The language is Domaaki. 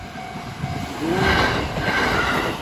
دُݸم